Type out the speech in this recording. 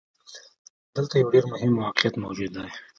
دلته يو ډېر مهم واقعيت موجود دی.